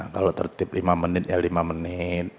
kalau tertip lima menit ya lima menit